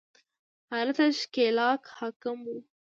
هلته ښکېلاک حاکم وو